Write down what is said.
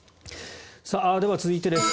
では、続いてです。